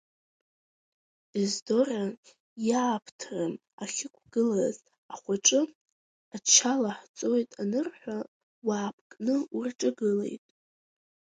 Ездора иааԥҭра ахьықәгылаз ахәаҿы ача лаҳҵоит анырҳәа, уаапкны урҿагылеит…